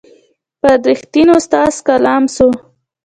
پر رښتین استاد کلام سو